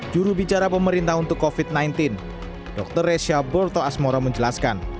jurubicara pemerintah untuk covid sembilan belas dr resha borto asmoro menjelaskan